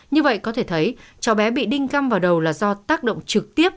như vậy có thể thấy cháu bé bị đinh găm vào đầu là do tác động trực tiếp